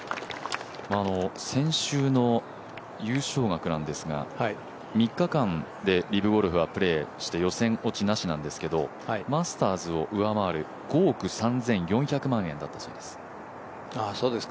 先週の優勝額なんですが３日間でリブゴルフはプレーして予選落ちなしなんですけどマスターズを上回る５億３４００万円だったそうです。